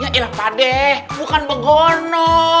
yaelah pak deh bukan begono